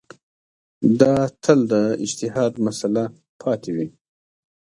دا تل د اجتهاد مسأله پاتې وي.